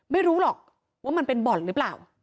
ไม่รู้หรอกว่ามันเป็นบ่อนหรือเปล่า